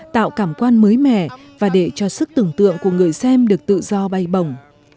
tạo cảm quan mới mẻ và để cho sức tưởng tượng của người xem được tự do bay bồng